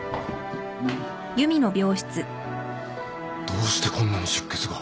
どうしてこんなに出血が。